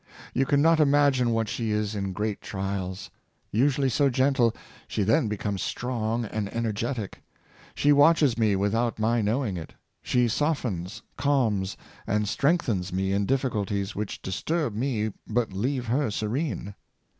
You can not imagine what she is in great trials. Usually so gentle, she then becomes strong and energetic. She watches me without my knowing it; she softens, calms, and strengthens me in M, Guizofs Noble Wife. 573 difficulties which disturb nie but leave her serene."